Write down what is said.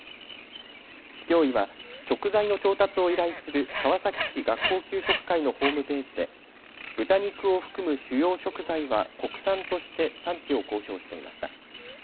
市教委は食材の調達を依頼する川崎市学校給食会のホームページで豚肉を含む主要食材は国産として産地を公表していました。